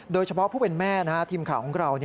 โดยเฉพาะผู้เป็นแม่ทีมข่าวของเรา